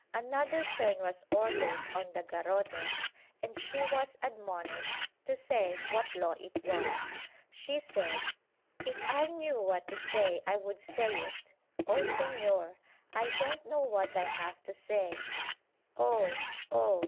Another turn was ordered on the garrotes and she was admonished to say what Law it was. She said "If I knew what to say I would say it. Oh Senor, I don't know what I have to say — Oh I Oh